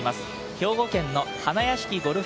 兵庫県の花屋敷ゴルフ